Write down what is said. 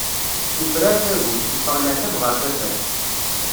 Tufrar tagut, iffeɣ leɛtab ɣeṛ tafat.